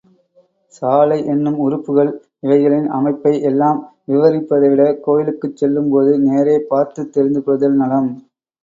சாலை என்னும் உறுப்புகள், இவைகளின் அமைப்பை எல்லாம் விவரிப்பதைவிட கோயிலுக்குச் செல்லும்போது நேரே பார்த்துத் தெரிந்து கொள்ளுதல் நலம்.